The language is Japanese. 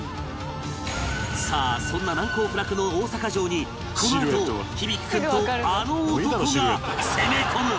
さあそんな難攻不落の大阪城にこのあと響大君とあの男が攻め込む